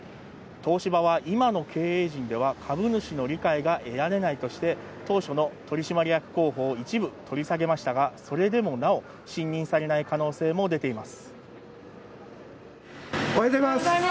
東芝は今の経営陣では株主の理解が得られないとして当初の取締役候補を一部取り下げましたが、それでもなお信任されない可能性も出ています。